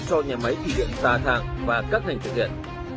do nhà máy thủy điện tà thàng và các ngành thực hiện